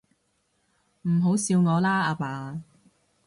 唔好笑我啦，阿爸